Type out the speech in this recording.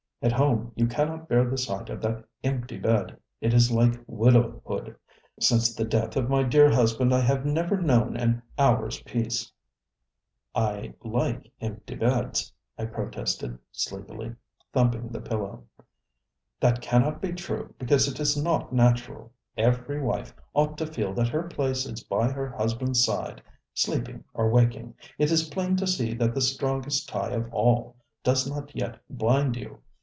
At home you cannot bear the sight of that empty bedŌĆöit is like widowhood. Since the death of my dear husband I have never known an hourŌĆÖs peace. ŌĆØ ŌĆ£I like empty beds, ŌĆØ I protested sleepily, thumping the pillow. ŌĆ£That cannot be true because it is not natural. Every wife ought to feel that her place is by her husbandŌĆÖs sideŌĆösleeping or waking. It is plain to see that the strongest tie of all does not yet bind you.